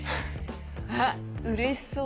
あっうれしそう。